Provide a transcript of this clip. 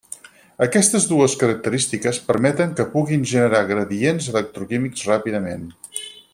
Aquestes dues característiques permeten que puguin generar gradients electroquímics ràpidament.